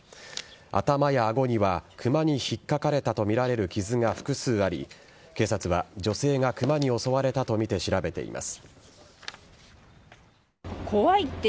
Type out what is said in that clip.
頭やあごにはクマに引っかかれたとみられる傷が複数あり警察は女性がクマに襲われたとみて調べています。